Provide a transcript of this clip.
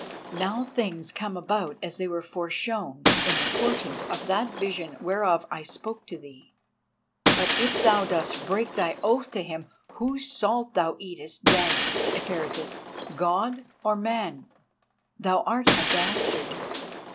Now things come about as they were foreshown in the portent of that vision whereof I spoke to thee. But if thou dost break thy oath to him whose salt thou eatest, then, Eperitus, God or man, thou art a dastard."